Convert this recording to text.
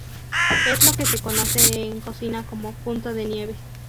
Es lo que se conoce en cocina como "punto de nieve".